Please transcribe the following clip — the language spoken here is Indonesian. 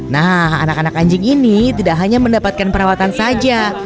nah anak anak anjing ini tidak hanya mendapatkan perawatan saja